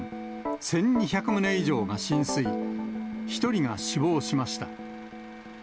１２００棟以上が浸水、１人が死亡しました。